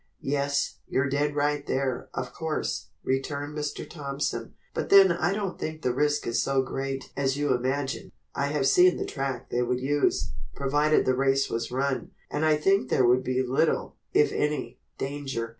"Yes, you're dead right there, of course," returned Mr. Thompson, "but then I don't think the risk is so great as you imagine. I have seen the track they would use, provided the race was run, and I think there would be little, if any, danger.